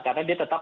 karena dia tetap